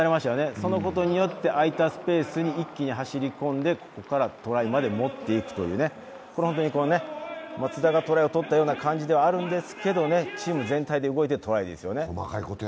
そのことによって、あいたスペースに一気に走り込んでここからトライまで持っていくというね、松田がトライを取ったような感じではあるんですけれども、チーム全体で動いてトライですよね。